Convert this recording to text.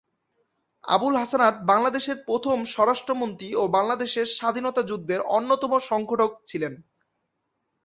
আবুল হাসনাত বাংলাদেশের প্রথম স্বরাষ্ট্রমন্ত্রী ও বাংলাদেশের স্বাধীনতা যুদ্ধের অন্যতম সংগঠক ছিলেন।